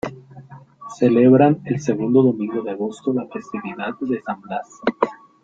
Celebran el segundo domingo de agosto la festividad de San Blas.